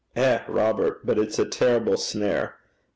'Eh, Robert! but it's a terrible snare.